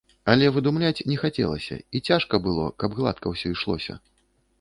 Але выдумляць не хацелася, і цяжка было, каб гладка ўсё ішлося.